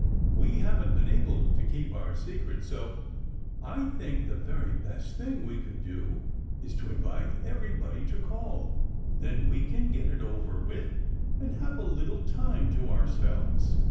We haven't been able to keep our secret, so I think the very best thing we can do is to invite everybody to call. Then we can get it over with and have a little time to ourselves.